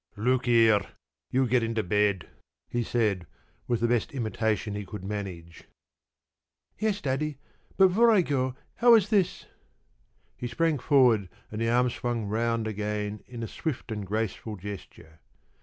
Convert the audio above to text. p> "Look here! You get into bed!" he said, with the best imitation he could manage. "Yes, Daddy. But before I go, how is this?" He sprang forward and the arm swung round again in a swift and graceful gesture.